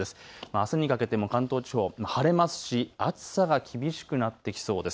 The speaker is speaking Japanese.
あすにかけても関東地方、晴れますし暑さが厳しくなってきそうです。